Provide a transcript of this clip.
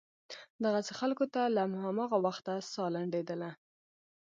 دغسې خلکو ته له هماغه وخته سا لنډېدله.